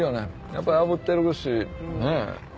やっぱりあぶってるしねぇ。